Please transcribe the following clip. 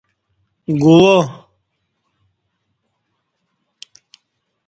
گوا